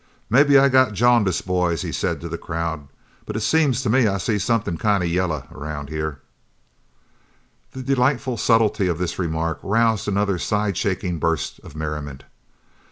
"Maybe I got jaundice, boys," he said to the crowd, "but it seems to me I see something kind of yellow around here!" The delightful subtlety of this remark roused another side shaking burst of merriment.